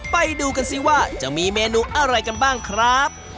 ไปดูกันสิว่าจะมีเมนูอะไรกันบ้างครับ